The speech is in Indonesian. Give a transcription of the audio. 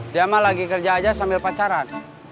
dia mah lagi kerja aja sambil pacaran